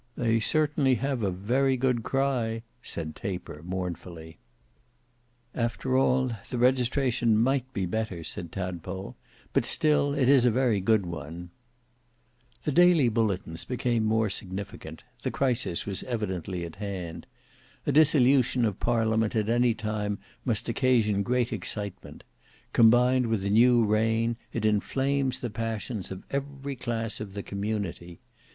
"They certainly have a very good cry," said Taper mournfully. "After all, the registration might be better," said Tadpole, "but still it is a very good one." The daily bulletins became more significant; the crisis was evidently at hand. A dissolution of parliament at any time must occasion great excitement; combined with a new reign, it inflames the passions of every class of the community.